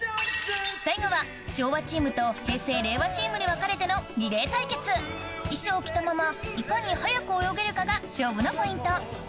最後は昭和チームと平成・令和チームに分かれてのリレー対決衣装を着たままいかに速く泳げるかが勝負のポイント